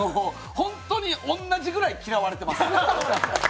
本当におんなじぐらい嫌われてます。